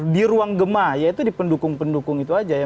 di ruang gema ya itu dipendukung pendukung itu aja ya